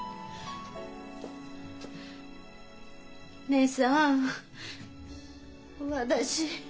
姉さん私。